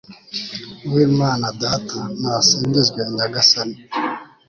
w'imana data, nasingizwe nyagasani